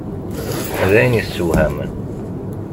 D ayen i issewhamen.